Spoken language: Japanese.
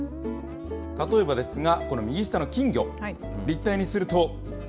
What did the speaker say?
例えばですが、この右下の金魚、立体にすると。